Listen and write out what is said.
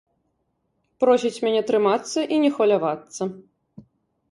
Просіць мяне трымацца і не хвалявацца.